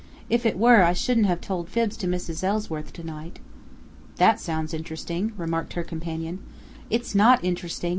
If it were, I shouldn't have told fibs to Mrs. Ellsworth to night." "That sounds interesting," remarked her companion. "It's not interesting!"